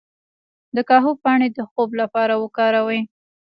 د کاهو پاڼې د خوب لپاره وکاروئ